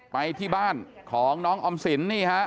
ไปที่บ้านของน้องออมสินนี่ฮะ